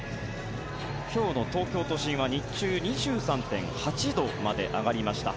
今日の東京都心は日中２３．８度まで上がりました。